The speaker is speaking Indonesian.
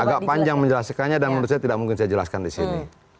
agak panjang menjelaskannya dan menurut saya tidak mungkin saya jelaskan di sini